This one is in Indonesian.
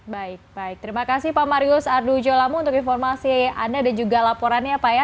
baik baik terima kasih pak marius ardu jolamu untuk informasi anda dan juga laporannya pak ya